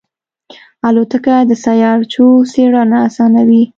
الوتکه د سیارچو څېړنه آسانوي.